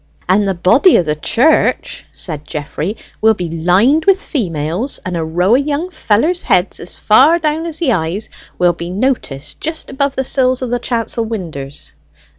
"And the body of the church," said Geoffrey, "will be lined with females, and a row of young fellers' heads, as far down as the eyes, will be noticed just above the sills of the chancel winders."